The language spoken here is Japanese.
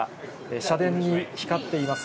社殿に光っています